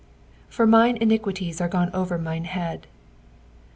"For mine iniqiiiti i are gone oner mine head."